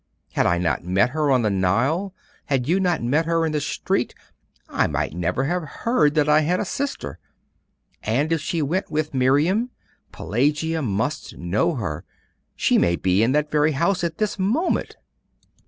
Had I not met her on the Nile, had you not met her in the street, I might never have heard that I had a sister. And if she went with Miriam, Pelagia must know her she may be in that very house at this moment!